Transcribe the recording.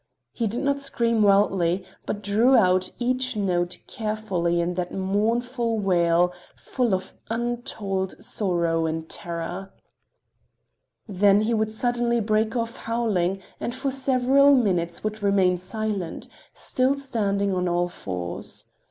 He did not scream wildly, but drew out each note carefully in that mournful wail full of untold sorrow and terror. Then he would suddenly break off howling and for several minutes would remain silent, still standing on all fours.